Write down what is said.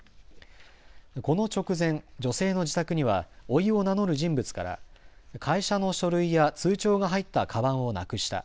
この直前、女性の自宅にはおいを名乗る人物から会社の書類や通帳が入ったかばんをなくした。